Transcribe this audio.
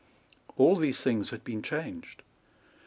All these things had been changed.